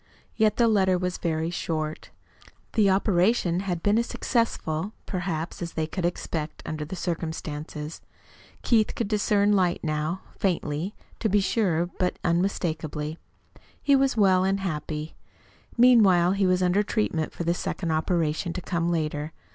Yet the letter was very short. The operation had been as successful, perhaps, as they could expect, under the circumstances. Keith could discern light now faintly, to be sure, but unmistakably. He was well and happy. Meanwhile he was under treatment for the second operation to come later.